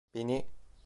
Beni...